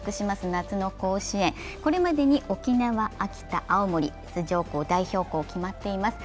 夏の甲子園、これまでに沖縄、秋田、青森、出場校、代表校、決まっています。